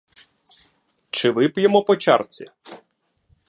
Чи вип'ємо по чарці?